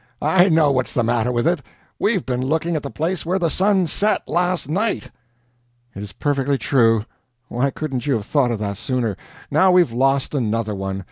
I know what's the matter with it! We've been looking at the place where the sun SET last night!" "It is perfectly true! Why couldn't you have thought of that sooner? Now we've lost another one!